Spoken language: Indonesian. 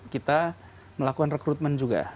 kita melakukan rekrutmen juga